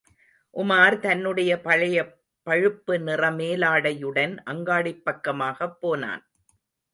உமார் தன்னுடைய பழைய பழுப்பு நிறமேலாடையுடன் அங்காடிப் பக்கமாகப் போனான்.